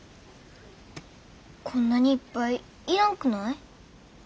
こんなにいっぱい要らんくない？